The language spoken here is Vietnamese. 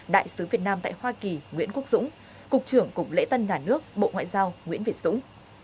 đại sứ việt nam tại hoa kỳ nguyễn quốc dũng cục trưởng cục lễ tân nhà nước bộ ngoại giao nguyễn việt dũng